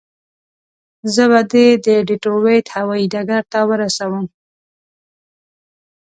زه به دې د ډیترویت هوایي ډګر ته ورسوم.